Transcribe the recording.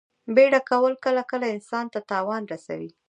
بیړه کول کله کله انسان ته تاوان رسوي.